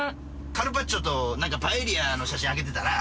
カルパッチョとパエリアの写真あげてたな。